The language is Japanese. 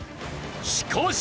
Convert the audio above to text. しかし。